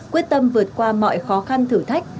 quyết tâm vượt qua mọi khó khăn thử thách